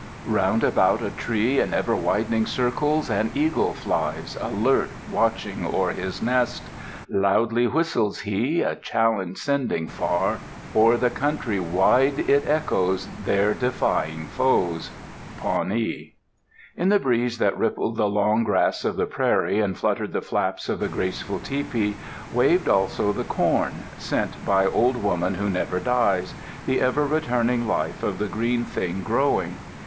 Round about a tree in ever widening circles an eagle flies, alert, watching o'er his nest; Loudly whistles he, a challenge sending far, o'er the country wide it echoes, there defying foes. [Pawnee] In the breeze that rippled the long grass of the prairie and fluttered the flaps of the graceful tepee, waved also the corn, sent by Old Woman Who Never Dies, the ever returning life of the green thing growing.